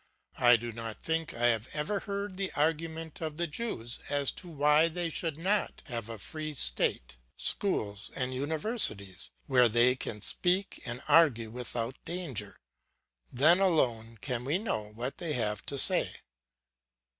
I do not think I have ever heard the arguments of the Jews as to why they should not have a free state, schools and universities, where they can speak and argue without danger. Then alone can we know what they have to say.